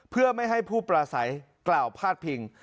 เพื่อไม่ให้ผู้ปราศัยกล่าวพาดพิง